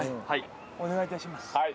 お願いいたします。